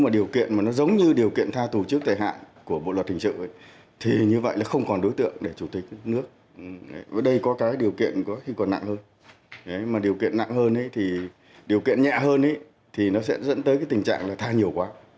điều kiện nặng hơn điều kiện nhẹ hơn sẽ dẫn tới tình trạng tha nhiều quá